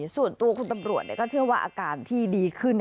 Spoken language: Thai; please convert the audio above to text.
ส่วนตัวคุณตำรวจก็เชื่อว่าอาการที่ดีขึ้น